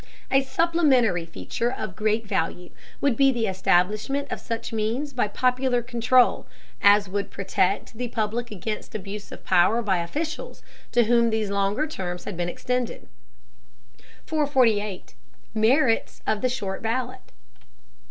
A supplementary feature of great value would be the establishment of such means of popular control as would protect the public against abuse of power by officials to whom these longer terms had been extended. 448. MERITS OF THE SHORT BALLOT.